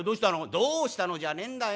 「『どうしたの？』じゃねえんだよ。